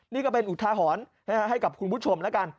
นี่ก็เป็นอุทาหรณ์ให้กับคุณผู้ชมแล้วกัน